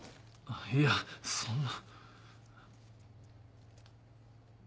いやそんな。